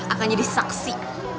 akan jadi saksi